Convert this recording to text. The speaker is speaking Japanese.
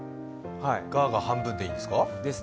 「ガー」が半分でいいんですか？